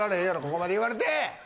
ここまで言われて！